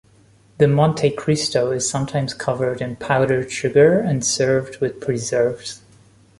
The Monte Cristo is sometimes covered in powdered sugar and served with preserves.